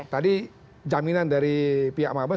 tadi jaminan dari pihak mabes